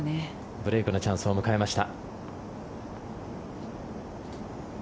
ブレークのチャンスを迎えました。